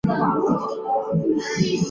墨尔本胜利全季排名倒数第二。